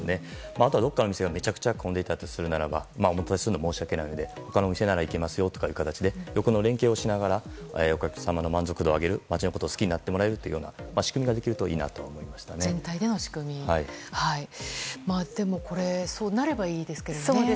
あとはどこかの店がめちゃくちゃ混んでいたなら帰すのは申し訳ないので他のお店が行けますよという形で横の連携を取りながらお客様の満足度を上げる町のことを好きになってもらう仕組みができるといいなとそうなればいいですけどね。